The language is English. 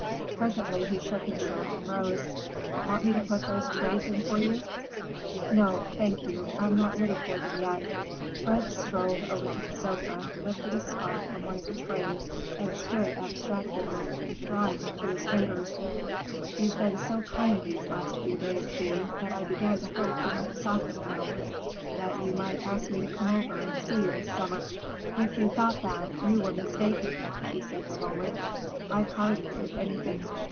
Presently he shook himself and rose. "Want me to put those trays in for you?" "No, thank you. I'm not ready for them yet." Fred strolled over to the sofa, lifted a scarf from one of the trays and stood abstractedly drawing it through his fingers. "You've been so kind these last few days, Thea, that I began to hope you might soften a little; that you might ask me to come over and see you this summer." "If you thought that, you were mistaken," she said slowly. "I've hardened, if anything.